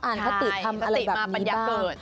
อ่านคติธรรมอะไรแบบนี้บ้าง